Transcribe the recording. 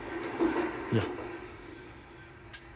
いや。